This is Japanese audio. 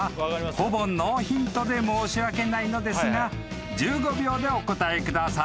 ［ほぼノーヒントで申し訳ないのですが１５秒でお答えください］